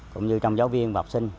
cũng như trong giáo viên và học sinh